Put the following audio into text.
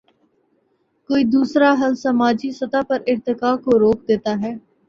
کوئی دوسرا حل سماجی سطح پر ارتقا کو روک دیتا ہے۔